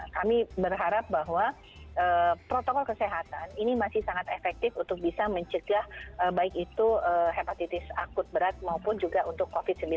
kami berharap bahwa protokol kesehatan ini masih sangat efektif untuk bisa mencegah baik itu hepatitis akut berat maupun juga untuk covid sembilan belas